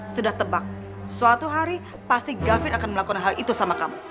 sudah tebak suatu hari pasti gavin akan melakukan hal itu sama kamu